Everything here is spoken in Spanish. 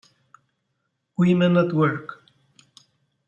Women at Work".